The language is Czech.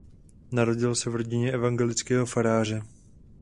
Narodil se v rodině evangelického faráře.